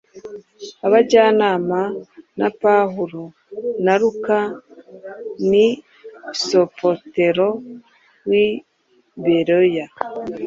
Abajyanaga na Pawulo na Luka ni “Sopatero w’i Beroya,